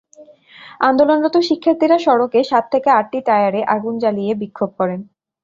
আন্দোলনরত শিক্ষার্থীরা সড়কে সাত থেকে আটটি টায়ারে আগুন জ্বালিয়ে বিক্ষোভ করেন।